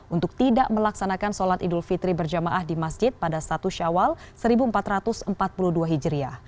untuk tidak melaksanakan sholat idul fitri berjamaah di masjid pada satu syawal seribu empat ratus empat puluh dua hijriah